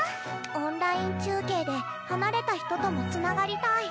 オンライン中継で離れた人ともつながりたい。